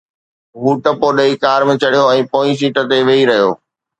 هو ٽپو ڏئي ڪار ۾ چڙهيو ۽ پوئين سيٽ تي ويهي رهيو